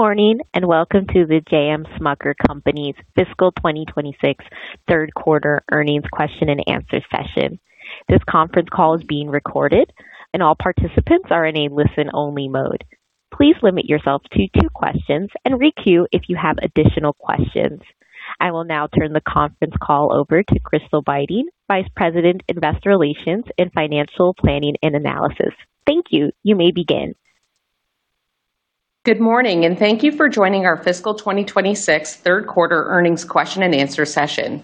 Good morning, welcome to The J.M. Smucker Company's fiscal 2026 third quarter earnings question-and-answer session. This conference call is being recorded, and all participants are in a listen-only mode. Please limit yourselves to two questions and re-queue if you have additional questions. I will now turn the conference call over to Crystal Beiting, Vice President, Investor Relations and Financial Planning and Analysis. Thank you. You may begin. Good morning. Thank you for joining our fiscal 2026 third quarter earnings question and answer session.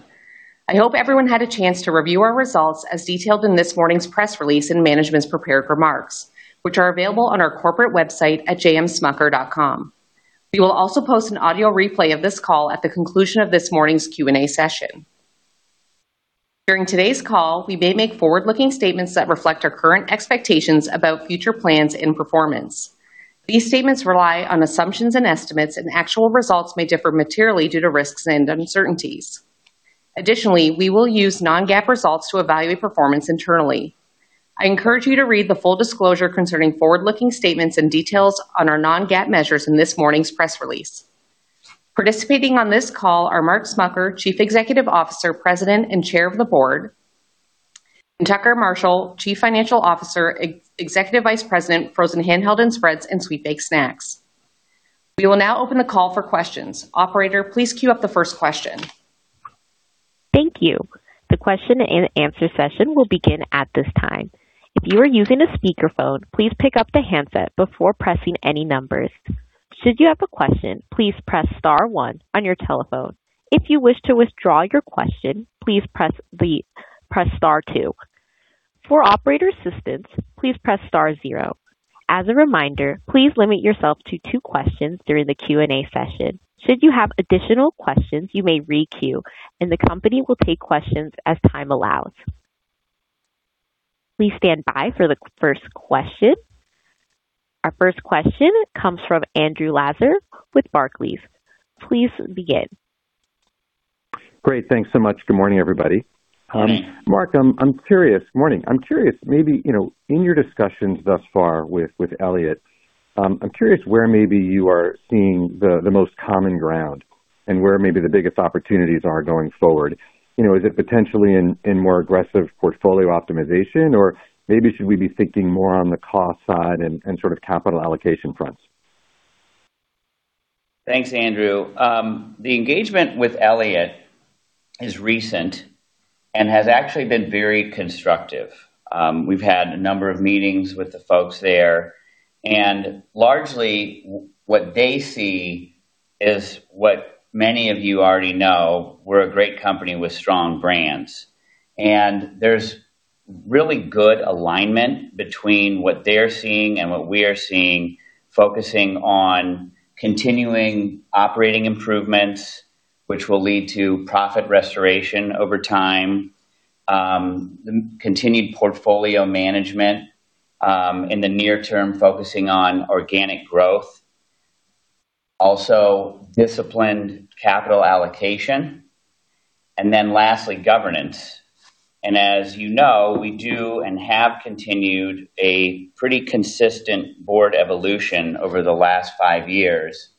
I hope everyone had a chance to review our results as detailed in this morning's press release and management's prepared remarks, which are available on our corporate website at jmsmucker.com. We will also post an audio replay of this call at the conclusion of this morning's Q&A session. During today's call, we may make forward-looking statements that reflect our current expectations about future plans and performance. These statements rely on assumptions and estimates. Actual results may differ materially due to risks and uncertainties. Additionally, we will use non-GAAP results to evaluate performance internally. I encourage you to read the full disclosure concerning forward-looking statements and details on our non-GAAP measures in this morning's press release. Participating on this call are Mark Smucker, Chief Executive Officer, President, and Chair of the Board, and Tucker Marshall, Chief Financial Officer, Executive Vice President, Frozen Handheld and Spreads, and Sweet Baked Snacks. We will now open the call for questions. Operator, please queue up the first question. Thank you. The question-and-answer session will begin at this time. If you are using a speakerphone, please pick up the handset before pressing any numbers. Should you have a question, please press star one on your telephone. If you wish to withdraw your question, please press star two. For operator assistance, please press star zero. As a reminder, please limit yourself to two questions during the Q&A session. Should you have additional questions, you may re-queue, and the company will take questions as time allows. Please stand by for the first question. Our first question comes from Andrew Lazar with Barclays. Please begin. Great. Thanks so much. Good morning, everybody. Good morning. Mark, morning. I'm curious, maybe, you know, in your discussions thus far with Elliott, I'm curious where maybe you are seeing the most common ground and where maybe the biggest opportunities are going forward. You know, is it potentially in more aggressive portfolio optimization, or maybe should we be thinking more on the cost side and sort of capital allocation fronts? Thanks, Andrew. The engagement with Elliott is recent and has actually been very constructive. We've had a number of meetings with the folks there, and largely what they see is what many of you already know, we're a great company with strong brands. There's really good alignment between what they're seeing and what we are seeing, focusing on continuing operating improvements, which will lead to profit restoration over time, continued portfolio management, in the near term, focusing on organic growth, also disciplined capital allocation, and then lastly, governance. As you know, we do and have continued a pretty consistent board evolution over the last five years,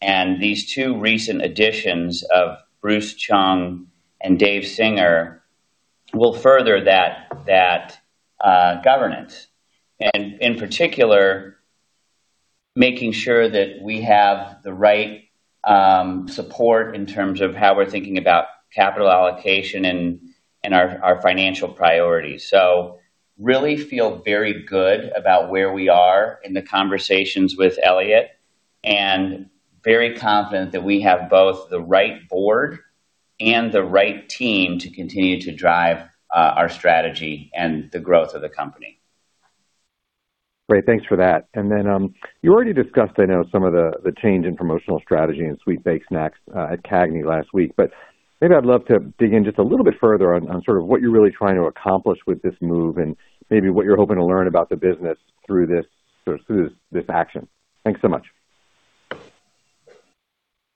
and these two recent additions of Bruce Chung and David Singer will further that governance. In particular, making sure that we have the right support in terms of how we're thinking about capital allocation and our financial priorities. Really feel very good about where we are in the conversations with Elliott, and very confident that we have both the right board and the right team to continue to drive our strategy and the growth of the company. Great. Thanks for that. You already discussed, I know, some of the change in promotional strategy and sweet baked snacks, at CAGNY last week, but maybe I'd love to dig in just a little bit further on what you're really trying to accomplish with this move and maybe what you're hoping to learn about the business through this action? Thanks so much.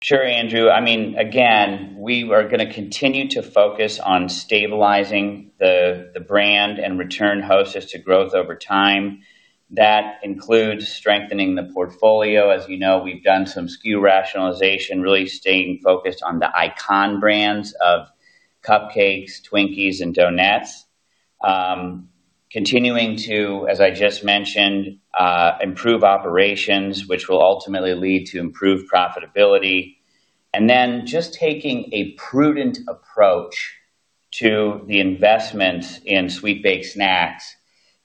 Sure, Andrew. I mean, again, we are gonna continue to focus on stabilizing the brand and return Hostess to growth over time. That includes strengthening the portfolio. As you know, we've done some SKU rationalization, really staying focused on the icon brands of CupCakes, Twinkies, and Donettes. Continuing to, as I just mentioned, improve operations, which will ultimately lead to improved profitability. Just taking a prudent approach to the investment in sweet baked snacks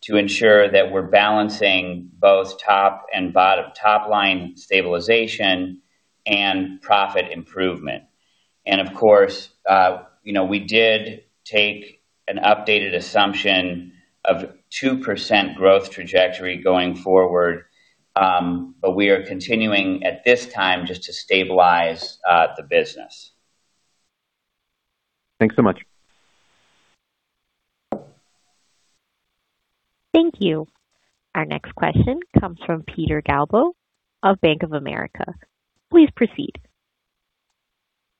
to ensure that we're balancing both top line stabilization and profit improvement. You know, we did take an updated assumption of 2% growth trajectory going forward, but we are continuing, at this time, just to stabilize the business. Thanks so much. Thank you. Our next question comes from Peter Galbo of Bank of America. Please proceed.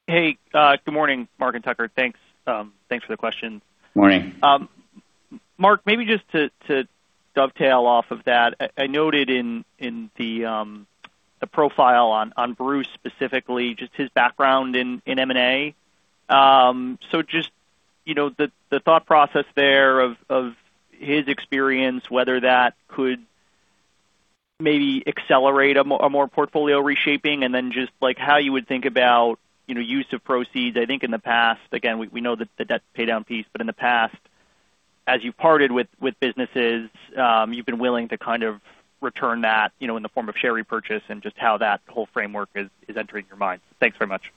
Hey, good morning, Mark and Tucker. Thanks, thanks for the question. Morning. Mark, maybe just to dovetail off of that, I noted in the profile on Bruce specifically, just his background in M&A. Just, you know, the thought process there of his experience, whether that could maybe accelerate a more portfolio reshaping, and then just, like, how you would think about, you know, use of proceeds. I think in the past, again, we know the debt paydown piece. In the past, as you parted with businesses, you've been willing to kind of return that, you know, in the form of share repurchase and just how that whole framework is entering your mind. Thanks very much.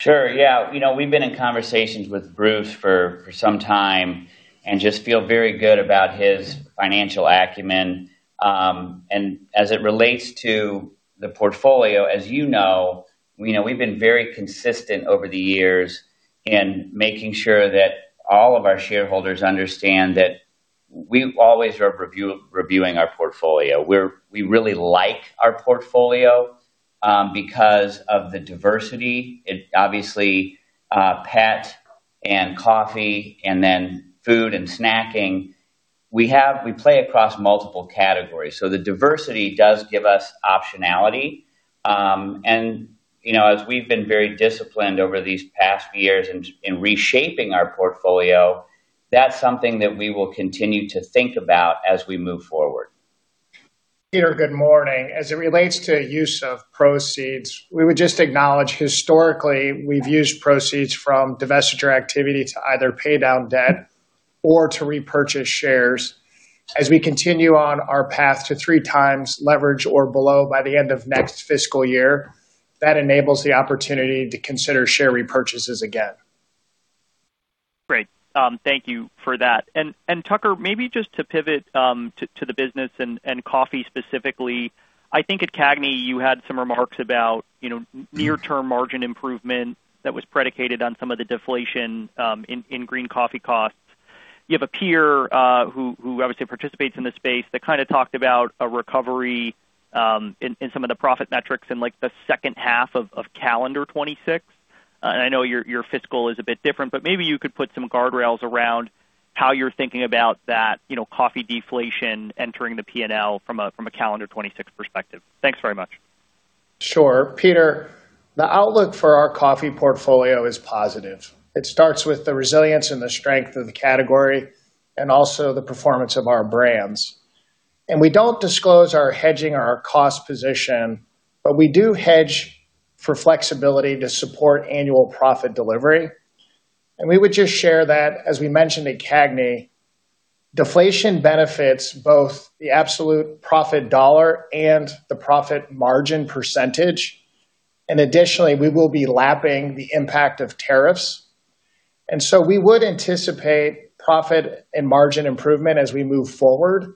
Sure. You know, we've been in conversations with Bruce Chung for some time and just feel very good about his financial acumen. As it relates to the portfolio, as you know, we've been very consistent over the years in making sure that all of our shareholders understand that we always are reviewing our portfolio. We really like our portfolio because of the diversity. It obviously, pet and coffee and then food and snacking. We play across multiple categories, so the diversity does give us optionality. You know, as we've been very disciplined over these past years in reshaping our portfolio, that's something that we will continue to think about as we move forward. Peter, good morning. As it relates to use of proceeds, we would just acknowledge historically, we've used proceeds from divestiture activity to either pay down debt or to repurchase shares. As we continue on our path to 3x leverage or below by the end of next fiscal year, that enables the opportunity to consider share repurchases again. Great. thank you for that. Tucker, maybe just to pivot to the business and coffee specifically, I think at CAGNY, you had some remarks about, you know, near-term margin improvement that was predicated on some of the deflation in green coffee costs. You have a peer who obviously participates in this space, that kind of talked about a recovery in some of the profit metrics in, like, the second half of calendar 2026. I know your fiscal is a bit different, but maybe you could put some guardrails around how you're thinking about that, you know, coffee deflation entering the P&L from a calendar 2026 perspective. Thanks very much. Sure. Peter, the outlook for our coffee portfolio is positive. It starts with the resilience and the strength of the category and also the performance of our brands. We don't disclose our hedging or our cost position, but we do hedge for flexibility to support annual profit delivery. We would just share that, as we mentioned at CAGNY, deflation benefits both the absolute profit dollar and the profit margin %. Additionally, we will be lapping the impact of tariffs. So we would anticipate profit and margin improvement as we move forward.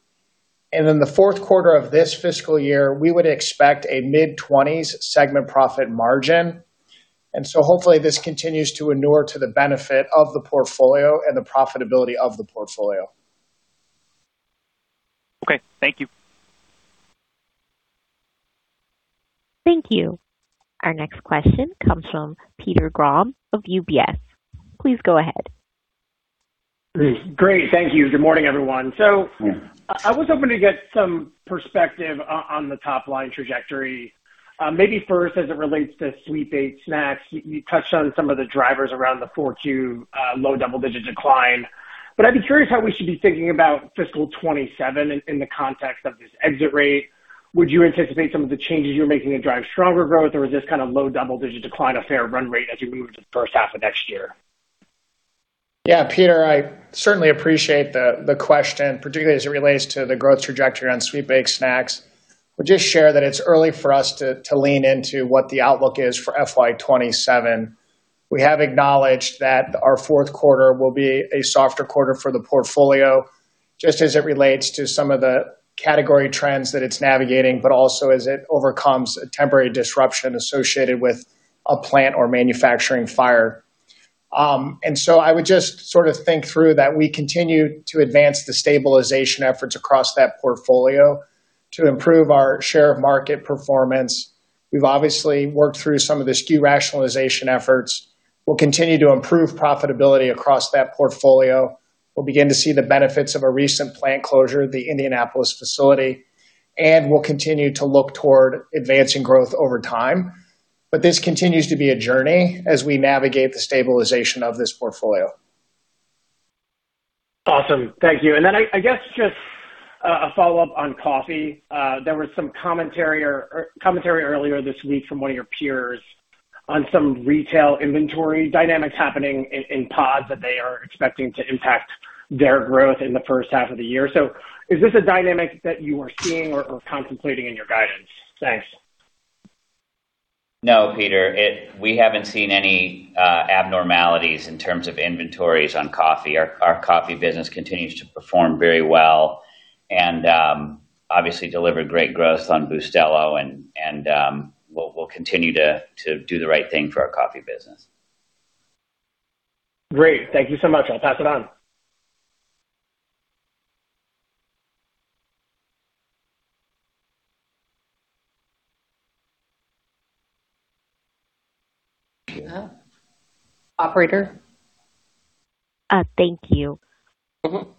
In the fourth quarter of this fiscal year, we would expect a mid-20s segment profit margin. So hopefully this continues to inure to the benefit of the portfolio and the profitability of the portfolio. Okay, thank you. Thank you. Our next question comes from Peter Grom of UBS. Please go ahead. Great. Thank you. Good morning, everyone. Good morning. I was hoping to get some perspective on the top-line trajectory. Maybe first, as it relates to sweet baked snacks, you touched on some of the drivers around the 4.2% low double-digit decline. I'd be curious how we should be thinking about fiscal 2027 in the context of this exit rate. Would you anticipate some of the changes you're making to drive stronger growth, or is this kind of low double-digit decline a fair run rate as you move into the first half of next year? Yeah, Peter, I certainly appreciate the question, particularly as it relates to the growth trajectory on Sweet Baked Snacks. We'll just share that it's early for us to lean into what the outlook is for FY 2027. We have acknowledged that our fourth quarter will be a softer quarter for the portfolio, just as it relates to some of the category trends that it's navigating, but also as it overcomes a temporary disruption associated with a plant or manufacturing fire. I would just sort of think through that we continue to advance the stabilization efforts across that portfolio to improve our share of market performance. We've obviously worked through some of the SKU rationalization efforts. We'll continue to improve profitability across that portfolio. We'll begin to see the benefits of a recent plant closure, the Indianapolis facility. We'll continue to look toward advancing growth over time. This continues to be a journey as we navigate the stabilization of this portfolio. Awesome. Thank you. I guess, just a follow-up on coffee. There was some commentary earlier this week from one of your peers on some retail inventory dynamics happening in pods that they are expecting to impact their growth in the first half of the year. Is this a dynamic that you are seeing or contemplating in your guidance? Thanks. No, Peter, we haven't seen any abnormalities in terms of inventories on coffee. Our coffee business continues to perform very well and obviously delivered great growth on Bustelo and we'll continue to do the right thing for our coffee business. Great. Thank you so much. I'll pass it on. Operator? Thank you. Mm-hmm.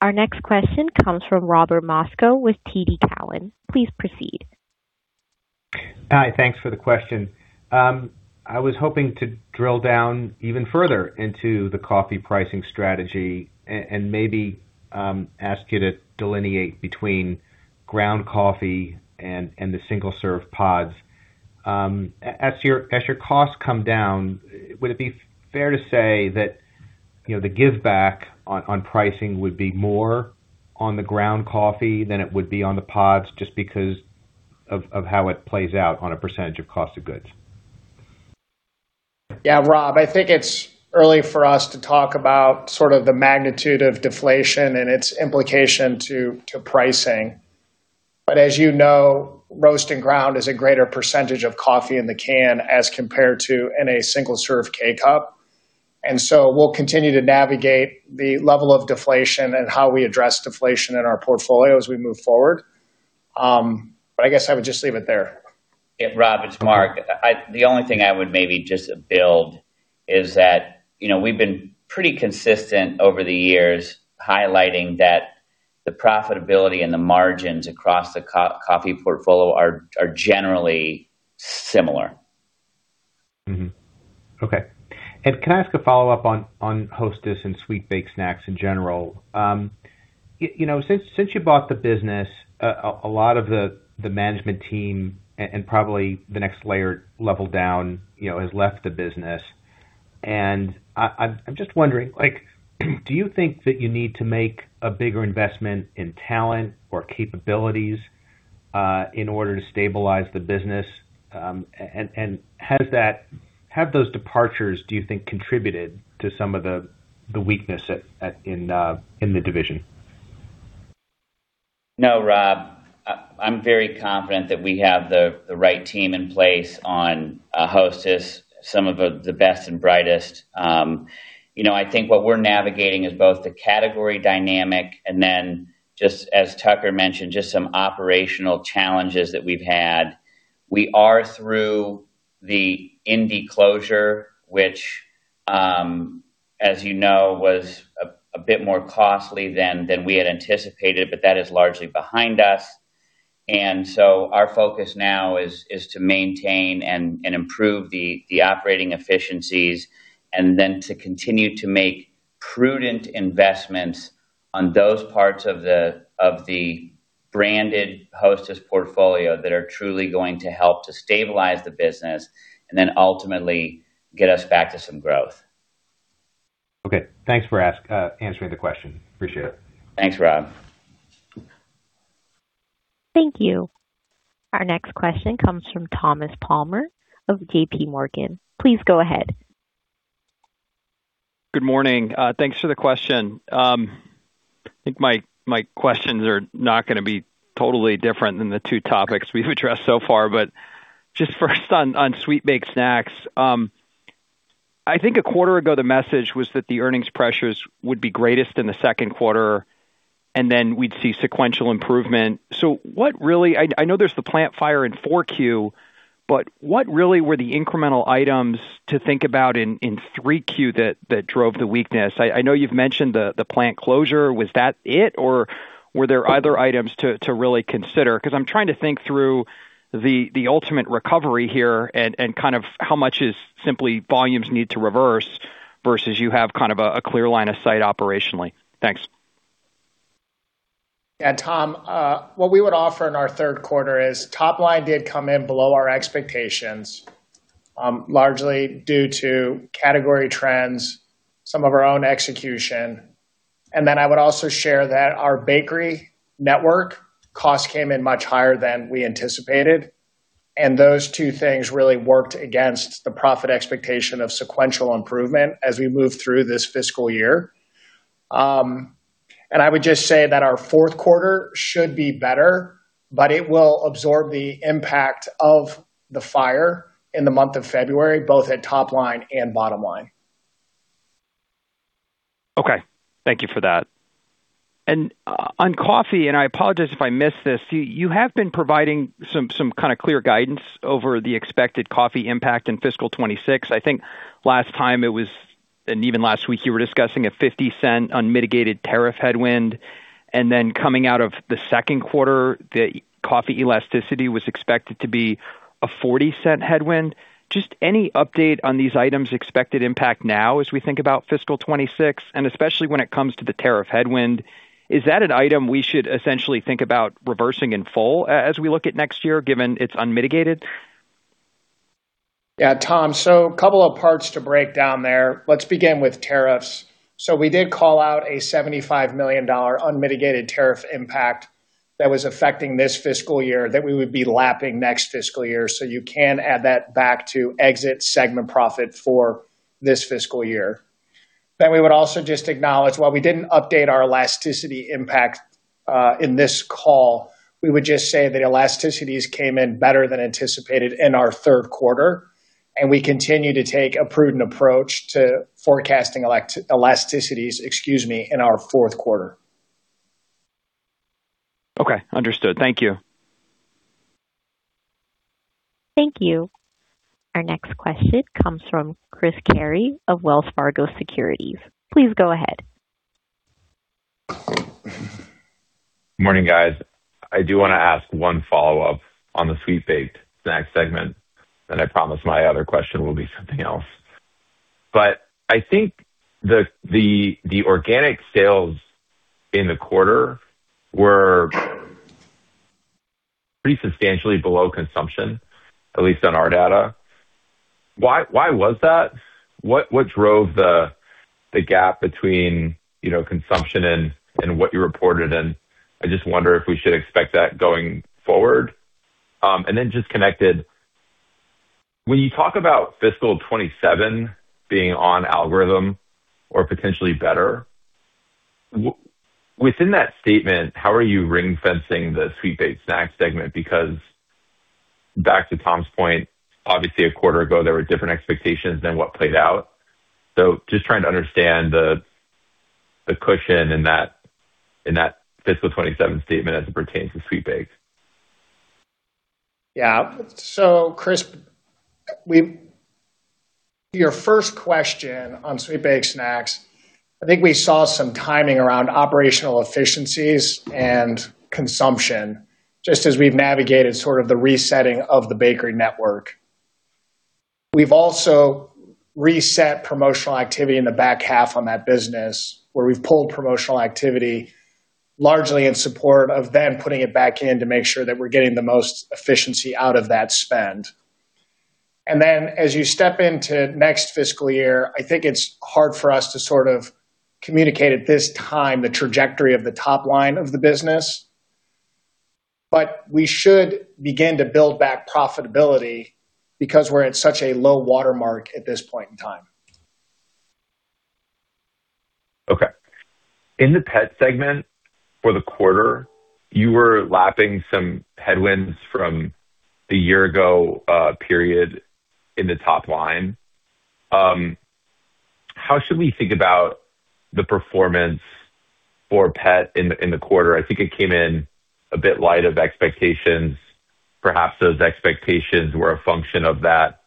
Our next question comes from Robert Moskow with TD Cowen. Please proceed. Hi, thanks for the question. I was hoping to drill down even further into the coffee pricing strategy and maybe ask you to delineate between ground coffee and the single-serve pods. As your costs come down, would it be fair to say that, you know, the giveback on pricing would be more on the ground coffee than it would be on the pods, just because of how it plays out on a percentage of cost of goods? Yeah, Rob, I think it's early for us to talk about sort of the magnitude of deflation and its implication to pricing. As you know, roast and ground is a greater percentage of coffee in the can as compared to in a single-serve K-Cup. We'll continue to navigate the level of deflation and how we address deflation in our portfolio as we move forward. I guess I would just leave it there. Yeah, Rob, it's Mark. The only thing I would maybe just build is that, you know, we've been pretty consistent over the years, highlighting that the profitability and the margins across the coffee portfolio are generally similar. Okay. Can I ask a follow-up on Hostess and sweet baked snacks in general? you know, since you bought the business, a lot of the management team and probably the next layer level down, you know, has left the business. I'm just wondering, like, do you think that you need to make a bigger investment in talent or capabilities in order to stabilize the business? Have those departures, do you think, contributed to some of the weakness at, in the division? No, Rob, I'm very confident that we have the right team in place on Hostess, some of the best and brightest. You know, I think what we're navigating is both the category dynamic, and then just as Tucker mentioned, just some operational challenges that we've had. We are through the Indy closure, which, as you know, was a bit more costly than we had anticipated, but that is largely behind us. Our focus now is to maintain and improve the operating efficiencies, and then to continue to make prudent investments on those parts of the branded Hostess portfolio that are truly going to help to stabilize the business, and then ultimately get us back to some growth. Okay, thanks for answering the question. Appreciate it. Thanks, Rob. Thank you. Our next question comes from Thomas Palmer of JPMorgan. Please go ahead. Good morning. Thanks for the question. I think my questions are not gonna be totally different than the two topics we've addressed so far, but just first on sweet baked snacks. I think a quarter ago, the message was that the earnings pressures would be greatest in the second quarter, then we'd see sequential improvement. What really I know there's the plant fire in Q4, what really were the incremental items to think about in 3Q that drove the weakness? I know you've mentioned the plant closure. Was that it, or were there other items to really consider? I'm trying to think through the ultimate recovery here and kind of how much is simply volumes need to reverse versus you have kind of a clear line of sight operationally. Thanks. Yeah, Tom, what we would offer in our third quarter is top line did come in below our expectations, largely due to category trends, some of our own execution. I would also share that our bakery network cost came in much higher than we anticipated. Those two things really worked against the profit expectation of sequential improvement as we move through this fiscal year. I would just say that our fourth quarter should be better, but it will absorb the impact of the fire in the month of February, both at top line and bottom line. Okay. Thank you for that. On coffee, and I apologize if I missed this, you have been providing some kind of clear guidance over the expected coffee impact in fiscal 2026. I think last time it was, and even last week, you were discussing a $0.50 unmitigated tariff headwind. Then coming out of the second quarter, the coffee elasticity was expected to be a $0.40 headwind. Just any update on these items' expected impact now, as we think about fiscal 2026, especially when it comes to the tariff headwind, is that an item we should essentially think about reversing in full as we look at next year, given it's unmitigated? Yeah, Tom, couple of parts to break down there. Let's begin with tariffs. We did call out a $75 million unmitigated tariff impact that was affecting this fiscal year, that we would be lapping next fiscal year. You can add that back to exit segment profit for this fiscal year. We would also just acknowledge, while we didn't update our elasticity impact in this call, we would just say that elasticities came in better than anticipated in our third quarter. We continue to take a prudent approach to forecasting elasticities, excuse me, in our fourth quarter. Okay, understood. Thank you. Thank you. Our next question comes from Chris Carey of Wells Fargo Securities. Please go ahead. Good morning, guys. I do want to ask one follow-up on the sweet baked snack segment, then I promise my other question will be something else. I think the organic sales in the quarter were pretty substantially below consumption, at least on our data. Why was that? What drove the gap between, you know, consumption and what you reported? I just wonder if we should expect that going forward. Just connected, when you talk about fiscal 2027 being on algorithm or potentially better, within that statement, how are you ring fencing the sweet baked snack segment? Back to Tom's point, obviously a quarter ago, there were different expectations than what played out. Just trying to understand the cushion in that fiscal 2027 statement as it pertains to sweet baked. Yeah. Chris, your first question on sweet baked snacks, I think we saw some timing around operational efficiencies and consumption, just as we've navigated sort of the resetting of the bakery network. We've also reset promotional activity in the back half on that business, where we've pulled promotional activity largely in support of then putting it back in to make sure that we're getting the most efficiency out of that spend. As you step into next fiscal year, I think it's hard for us to sort of communicate at this time the trajectory of the top line of the business. We should begin to build back profitability because we're at such a low watermark at this point in time. Okay. In the pet segment for the quarter, you were lapping some headwinds from the year ago period in the top line. How should we think about the performance for pet in the quarter? I think it came in a bit light of expectations. Perhaps those expectations were a function of that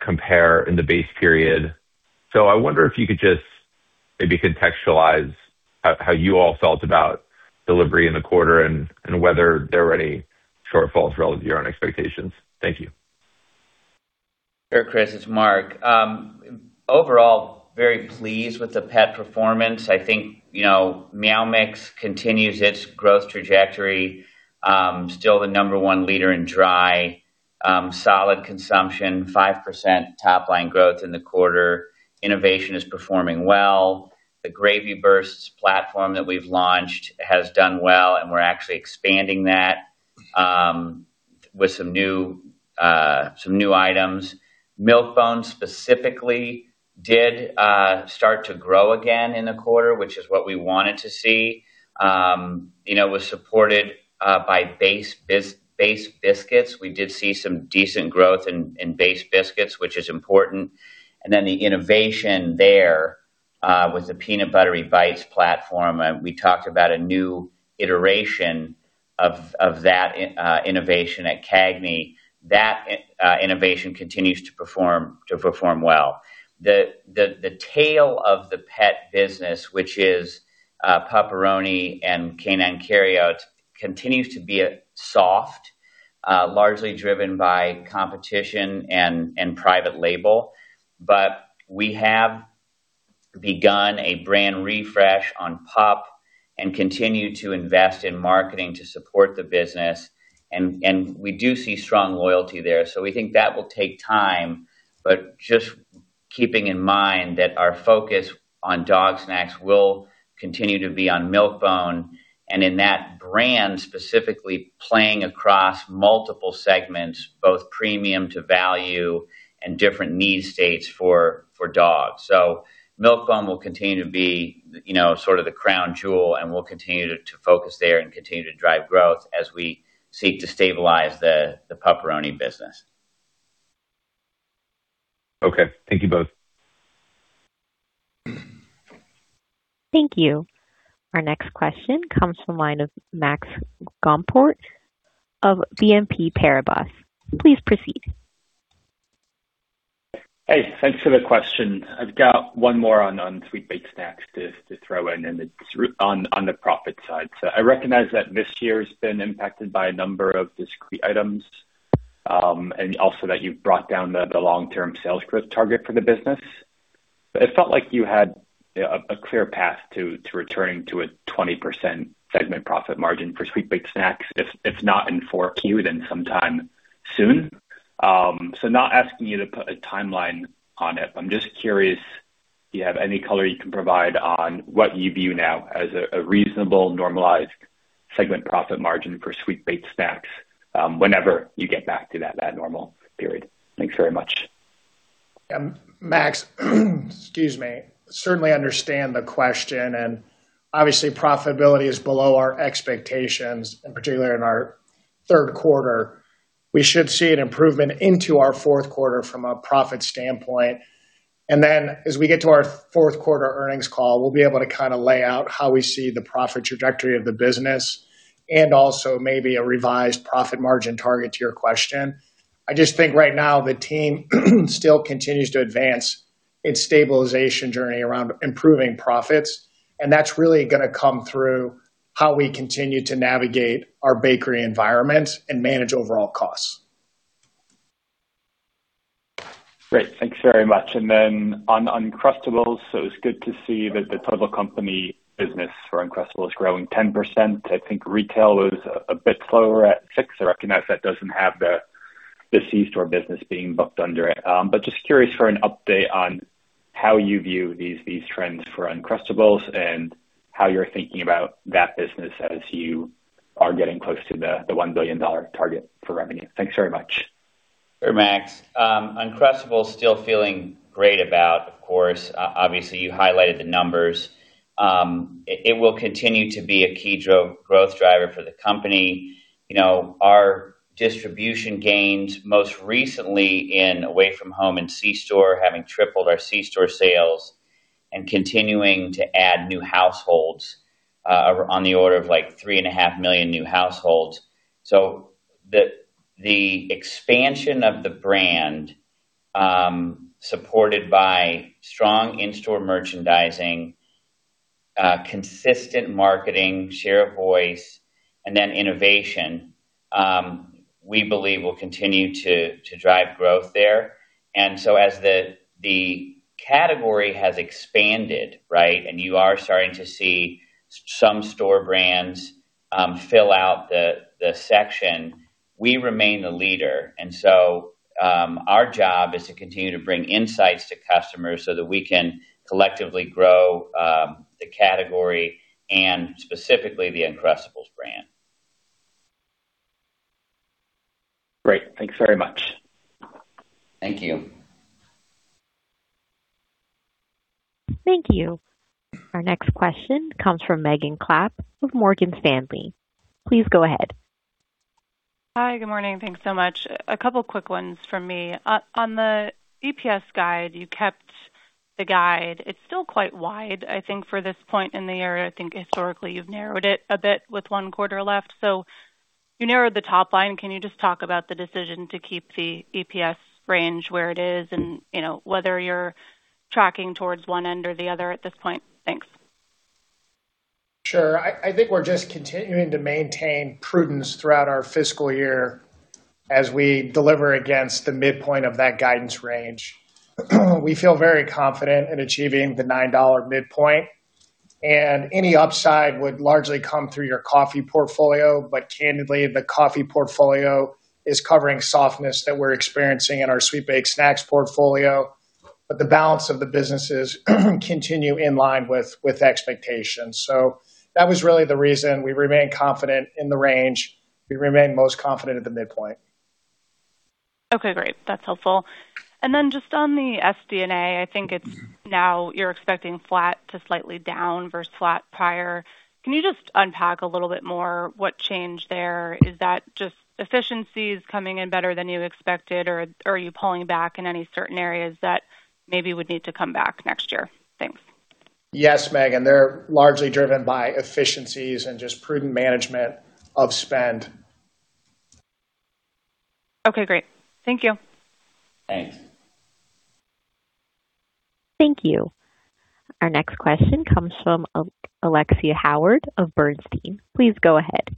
compare in the base period. I wonder if you could just maybe contextualize how you all felt about delivery in the quarter and whether there were any shortfalls relative to your own expectations. Thank you. Sure, Chris, it's Mark. Overall, very pleased with the pet performance. I think, you know, Meow Mix continues its growth trajectory, still the number one leader in dry, solid consumption, 5% top-line growth in the quarter. Innovation is performing well. The Gravy Bursts platform that we've launched has done well, and we're actually expanding that with some new, some new items. Milk-Bone specifically did start to grow again in the quarter, which is what we wanted to see. You know, it was supported by base biscuits. We did see some decent growth in base biscuits, which is important. Then the innovation there was the Peanut Buttery Bites platform. We talked about a new iteration of that innovation at CAGNY. That innovation continues to perform well. The tail of the pet business, which is Pup-Peroni and Canine Carry Outs, continues to be soft, largely driven by competition and private label. We have begun a brand refresh on Pup and continue to invest in marketing to support the business, and we do see strong loyalty there. We think that will take time, but just keeping in mind that our focus on dog snacks will continue to be on Milk-Bone, and in that brand, specifically playing across multiple segments, both premium to value and different need states for dogs. Milk-Bone will continue to be, you know, sort of the crown jewel, and we'll continue to focus there and continue to drive growth as we seek to stabilize the Pup-Peroni business. Okay, thank you both. Thank you. Our next question comes from the line of Max Gumport of BNP Paribas. Please proceed. Hey, thanks for the question. I've got one more on sweet baked snacks to throw in, and it's on the profit side. I recognize that this year has been impacted by a number of discrete items, and also that you've brought down the long-term sales growth target for the business. It felt like you had a clear path to returning to a 20% segment profit margin for sweet baked snacks, if not in Q4, then sometime soon. Not asking you to put a timeline on it. I'm just curious if you have any color you can provide on what you view now as a reasonable, normalized segment profit margin for sweet baked snacks, whenever you get back to that normal period. Thanks very much. Max, excuse me. Certainly understand the question, and obviously, profitability is below our expectations, and particularly in our third quarter. We should see an improvement into our fourth quarter from a profit standpoint. As we get to our fourth quarter earnings call, we'll be able to kind of lay out how we see the profit trajectory of the business, and also maybe a revised profit margin target to your question. Right now, the team still continues to advance its stabilization journey around improving profits, and that's really gonna come through how we continue to navigate our bakery environment and manage overall costs. Great. Thanks very much. On Uncrustables, it's good to see that the total company business for Uncrustables growing 10%. I think retail was a bit slower at 6%. I recognize that doesn't have the C-store business being booked under it. Just curious for an update on how you view these trends for Uncrustables and how you're thinking about that business as you are getting close to the $1 billion target for revenue. Thanks very much. Sure, Max. Uncrustables still feeling great about, of course, obviously you highlighted the numbers. It will continue to be a key growth driver for the company. You know, our distribution gains, most recently in away from home and C-store, having tripled our C-store sales and continuing to add new households, on the order of, like, 3.5 million new households. The expansion of the brand, supported by strong in-store merchandising, consistent marketing, share of voice, and then innovation, we believe will continue to drive growth there. As the category has expanded, right, and you are starting to see some store brands, fill out the section, we remain the leader. Our job is to continue to bring insights to customers so that we can collectively grow, the category and specifically the Uncrustables brand. Great. Thanks very much. Thank you. Thank you. Our next question comes from Megan Clapp with Morgan Stanley. Please go ahead. Hi, good morning. Thanks so much. A couple quick ones from me. On the EPS guide, you kept the guide. It's still quite wide, I think, for this point in the year. I think historically you've narrowed it a bit with one quarter left. You narrowed the top line. Can you just talk about the decision to keep the EPS range where it is and, you know, whether you're tracking towards one end or the other at this point? Thanks. Sure. I think we're just continuing to maintain prudence throughout our fiscal year as we deliver against the midpoint of that guidance range. We feel very confident in achieving the $9 midpoint. Any upside would largely come through your coffee portfolio. Candidly, the coffee portfolio is covering softness that we're experiencing in our sweet baked snacks portfolio. The balance of the businesses continue in line with expectations. That was really the reason we remain confident in the range. We remain most confident at the midpoint. Okay, great. That's helpful. Just on the SG&A, I think it's now you're expecting flat to slightly down versus flat prior. Can you just unpack a little bit more what changed there? Is that just efficiencies coming in better than you expected, or are you pulling back in any certain areas that maybe would need to come back next year? Thanks. Yes, Megan. They're largely driven by efficiencies and just prudent management of spend. Okay, great. Thank you. Thanks. Thank you. Our next question comes from Alexia Howard of Bernstein. Please go ahead.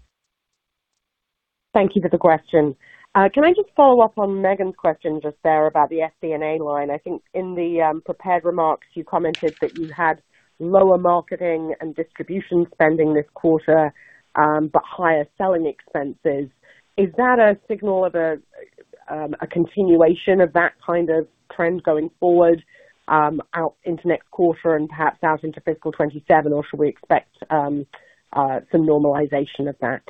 Thank you for the question. Can I just follow up on Megan's question just there about the SG&A line? I think in the prepared remarks, you commented that you had lower marketing and distribution spending this quarter, but higher selling expenses. Is that a signal of a continuation of that kind of trend going forward, out into next quarter and perhaps out into fiscal 2027, or should we expect some normalization of that?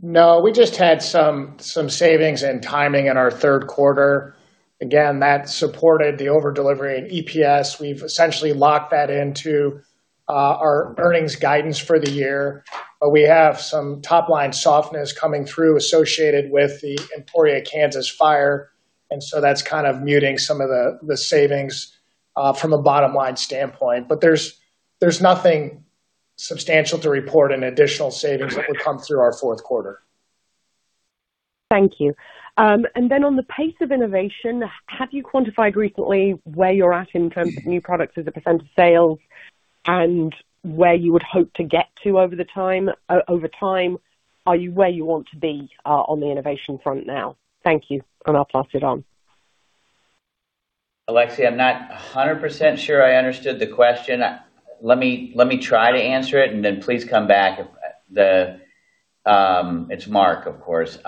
We just had some savings and timing in our third quarter. That supported the over-delivery in EPS. We've essentially locked that into our earnings guidance for the year. We have some top-line softness coming through associated with the Emporia, Kansas, fire. That's kind of muting some of the savings from a bottom-line standpoint. There's nothing substantial to report in additional savings that would come through our fourth quarter. Thank you. Then on the pace of innovation, have you quantified recently where you're at in terms of new products as a percentage of sales and where you would hope to get to over time? Are you where you want to be on the innovation front now? Thank you. I'll pass it on. Alexia, I'm not 100% sure I understood the question. Let me, let me try to answer it, and then please come back if the. It's Mark, of course.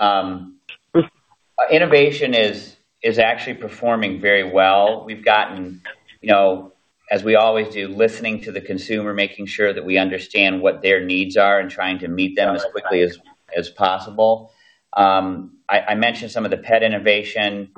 Innovation is actually performing very well. We've gotten, as we always do, listening to the consumer, making sure that we understand what their needs are and trying to meet them as quickly as possible. I mentioned some of the pet innovation.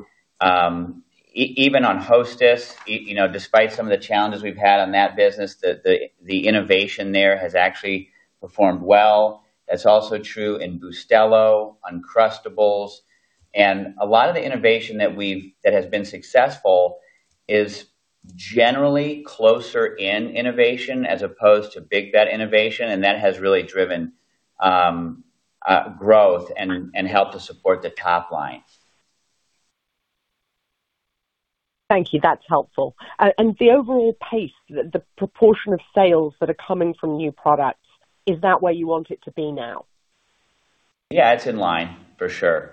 Even on Hostess, you know, despite some of the challenges we've had on that business, the, the innovation there has actually performed well. That's also true in Bustelo, Uncrustables. A lot of the innovation that has been successful is generally closer in innovation as opposed to big bet innovation, and that has really driven growth and helped to support the top line. Thank you. That's helpful. The overall pace, the proportion of sales that are coming from new products, is that where you want it to be now? Yeah, it's in line, for sure.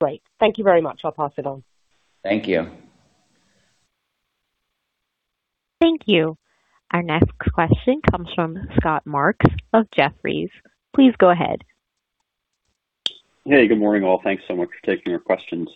Great. Thank you very much. I'll pass it on. Thank you. Thank you. Our next question comes from Scott Marks of Jefferies. Please go ahead. Hey, good morning, all. Thanks so much for taking our questions.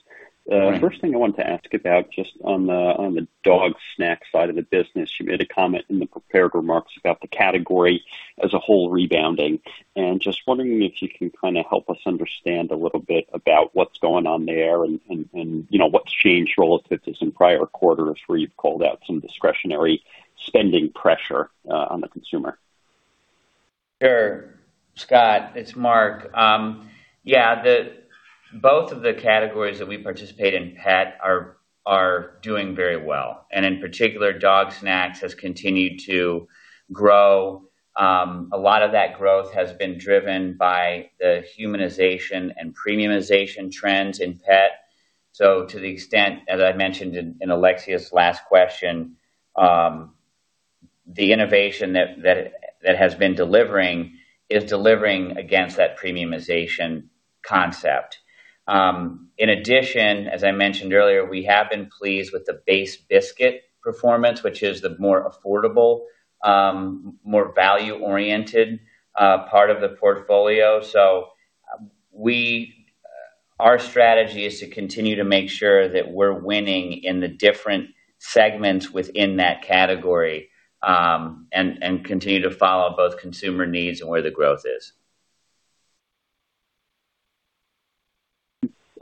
Hi. First thing I wanted to ask about, just on the, on the dog snack side of the business, you made a comment in the prepared remarks about the category as a whole rebounding, and just wondering if you can kinda help us understand a little bit about what's going on there and, you know, what's changed relative to some prior quarters where you've called out some discretionary spending pressure on the consumer? Sure. Scott, it's Mark. Yeah, both of the categories that we participate in pet are doing very well. In particular, dog snacks has continued to grow. A lot of that growth has been driven by the humanization and premiumization trends in pet. To the extent, as I mentioned in Alexia's last question, the innovation that has been delivering is delivering against that premiumization concept. In addition, as I mentioned earlier, we have been pleased with the base biscuit performance, which is the more affordable, more value-oriented part of the portfolio. Our strategy is to continue to make sure that we're winning in the different segments within that category, and continue to follow both consumer needs and where the growth is.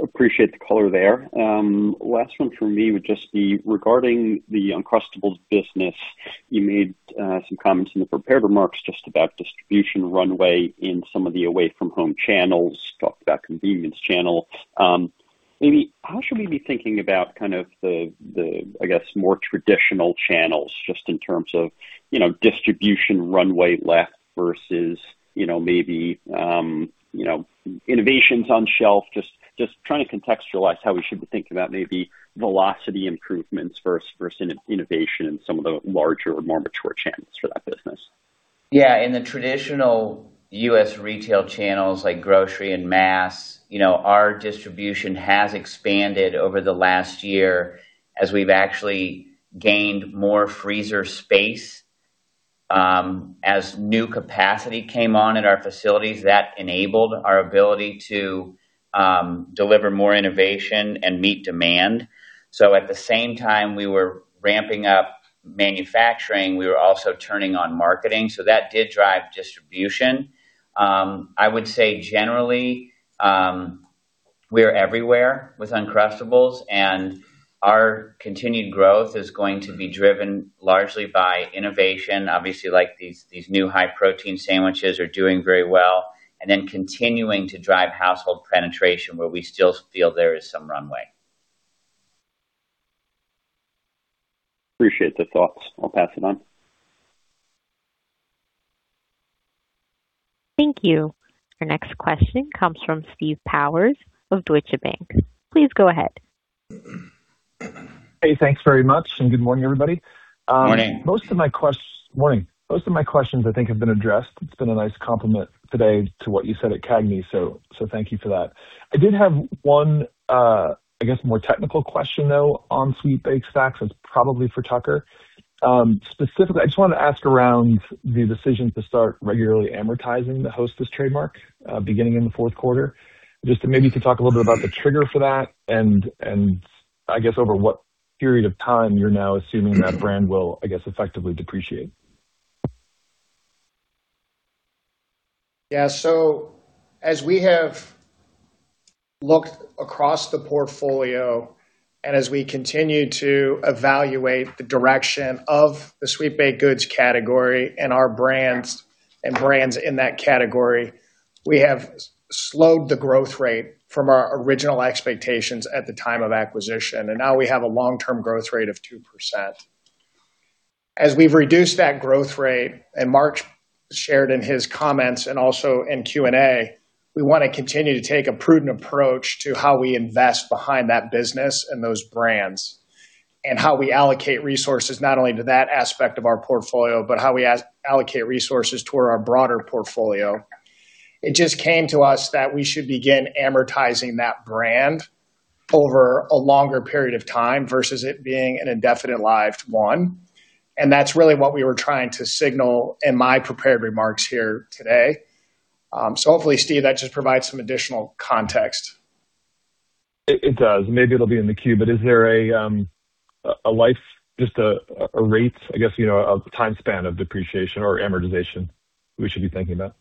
Appreciate the color there. Last one from me would just be regarding the Uncrustables business. You made some comments in the prepared remarks just about distribution runway in some of the away-from-home channels, talked about convenience channel. Maybe how should we be thinking about kind of the, I guess, more traditional channels, just in terms of, you know, distribution runway left versus, you know, maybe innovations on shelf? Just trying to contextualize how we should be thinking about maybe velocity improvements versus innovation in some of the larger, more mature channels for that business. Yeah, in the traditional U.S. retail channels, like grocery and mass, you know, our distribution has expanded over the last year as we've actually gained more freezer space. As new capacity came on in our facilities, that enabled our ability to deliver more innovation and meet demand. At the same time we were ramping up manufacturing, we were also turning on marketing, so that did drive distribution. I would say, generally, we're everywhere with Uncrustables, and our continued growth is going to be driven largely by innovation. Obviously, like, these new high-protein sandwiches are doing very well, and then continuing to drive household penetration where we still feel there is some runway. Appreciate the thoughts. I'll pass it on. Thank you. Our next question comes from Steve Powers of Deutsche Bank. Please go ahead. Hey, thanks very much, and good morning, everybody. Morning. Morning. Most of my questions, I think, have been addressed. It's been a nice complement today to what you said at CAGNY, so thank you for that. I did have one, I guess, more technical question, though, on sweet baked snacks. That's probably for Tucker. Specifically, I just wanted to ask around the decision to start regularly amortizing the Hostess trademark, beginning in the fourth quarter. Just maybe you could talk a little bit about the trigger for that and I guess over what period of time you're now assuming that brand will, I guess, effectively depreciate? As we have looked across the portfolio and as we continue to evaluate the direction of the sweet baked goods category and our brands, and brands in that category, we have slowed the growth rate from our original expectations at the time of acquisition, and now we have a long-term growth rate of 2%. As we've reduced that growth rate, and Mark shared in his comments and also in Q&A, we wanna continue to take a prudent approach to how we invest behind that business and those brands, and how we allocate resources not only to that aspect of our portfolio, but how we allocate resources toward our broader portfolio. It just came to us that we should begin amortizing that brand over a longer period of time versus it being an indefinite lived one, and that's really what we were trying to signal in my prepared remarks here today. Hopefully, Steve, that just provides some additional context. It does, and maybe it'll be in the queue, but is there a life, just a rate, I guess, you know, a time span of depreciation or amortization we should be thinking about?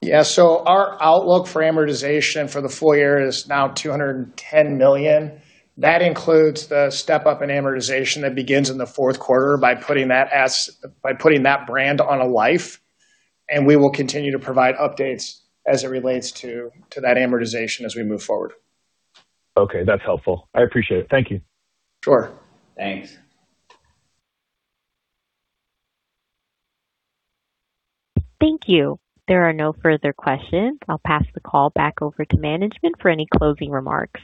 Yeah, our outlook for amortization for the full year is now $210 million. That includes the step-up in amortization that begins in the fourth quarter by putting that brand on a life, and we will continue to provide updates as it relates to that amortization as we move forward. Okay, that's helpful. I appreciate it. Thank you. Sure. Thanks. Thank you. There are no further questions. I'll pass the call back over to management for any closing remarks.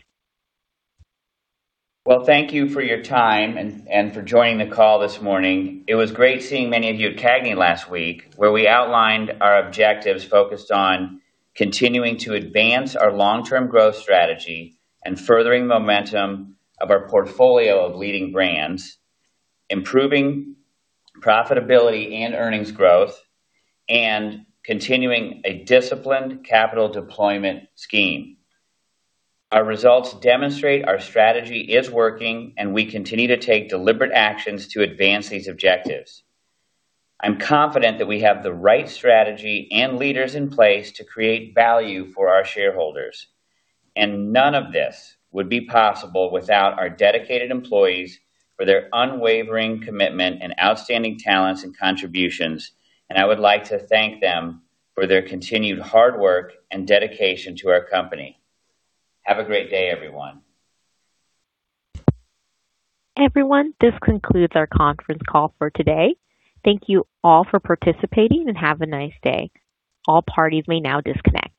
Well, thank you for your time and for joining the call this morning. It was great seeing many of you at CAGNY last week, where we outlined our objectives focused on continuing to advance our long-term growth strategy and furthering momentum of our portfolio of leading brands, improving profitability and earnings growth, and continuing a disciplined capital deployment scheme. Our results demonstrate our strategy is working, and we continue to take deliberate actions to advance these objectives. I'm confident that we have the right strategy and leaders in place to create value for our shareholders, and none of this would be possible without our dedicated employees for their unwavering commitment and outstanding talents and contributions, and I would like to thank them for their continued hard work and dedication to our company. Have a great day, everyone. Everyone, this concludes our conference call for today. Thank you all for participating, and have a nice day. All parties may now disconnect.